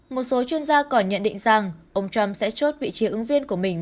một số chuyên gia còn nhận định rằng ông trump sẽ chốt vị trí ứng viên của mình